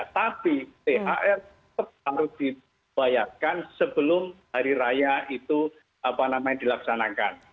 tapi thr tetap harus dibayarkan sebelum hari raya itu dilaksanakan